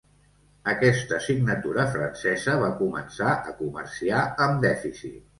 Aquesta signatura francesa va començar a comerciar amb dèficit.